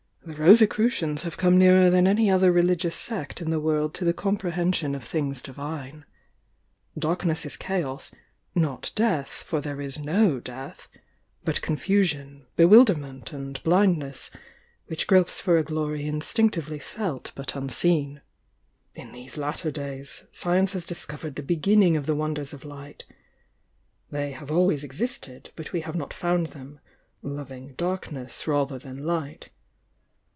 The Rosicruciaiis have come nearer than any other religious sect in the world to the comprehension of things divine. Dark ness is Chaos,— not death, for there is no death— but confusion, bewilderment and blindness which gropes for a glory instinctively felt but unseen. In these latter days, science has discovered the begm ning of the wonders of Light,— they have always existed, but we have not found them, 'lovmg dark ness rather than light.'